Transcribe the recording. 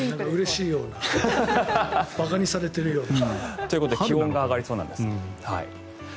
うれしいような馬鹿にされているような。ということで気温が上がりそうなんです。